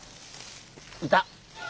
いた！